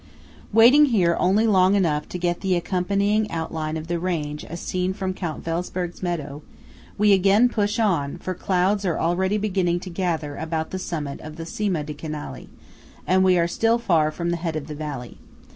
Waiting here only long enough to get the accompanying outline of the range as seen from Count Welsperg's meadow, we again push on; for clouds are already beginning to gather about the summit of the Cima di Canali, and we are still far from the head of the valley.